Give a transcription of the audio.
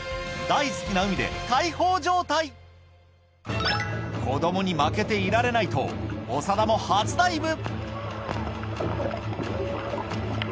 大好きな海で開放状態子どもに負けていられないと長田も初ダイブ